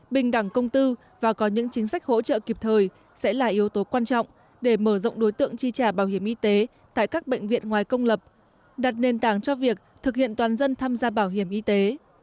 bình đẳng công tư và có những chính sách hỗ trợ kịp thời sẽ là yếu tố quan trọng để mở rộng đối tượng chi trả bảo hiểm y tế tại các bệnh viện ngoài công lập đặt nền tảng cho việc thực hiện toàn dân tham gia bảo hiểm y tế